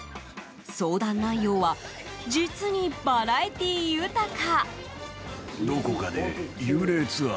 相談内容は実に、バラエティー豊か。